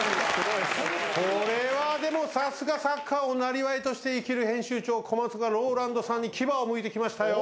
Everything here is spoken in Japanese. これはさすがサッカーをなりわいとして生きる編集長小松がＲＯＬＡＮＤさんに牙をむいてきましたよ。